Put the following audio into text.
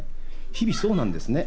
日々そうなんですね。